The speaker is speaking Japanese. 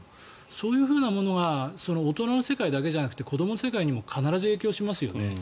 そういうものが大人の世界だけじゃなくて子どもの世界にも必ず影響しますよね。